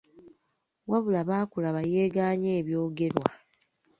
Wabula Bakaluba yeegaanye ebyogerwa.